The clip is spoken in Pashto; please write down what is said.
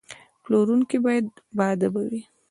پلورونکی باید باادبه وي.